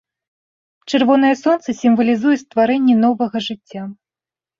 Чырвонае сонца сімвалізуе стварэнне новага жыцця.